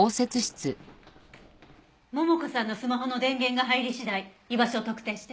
桃香さんのスマホの電源が入り次第居場所を特定して。